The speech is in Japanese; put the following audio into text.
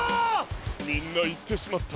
みんないってしまった。